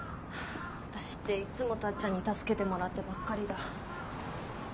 私っていっつもタッちゃんに助けてもらってばっかりだ。